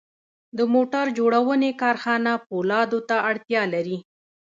د موټر جوړونې کارخانه پولادو ته اړتیا لري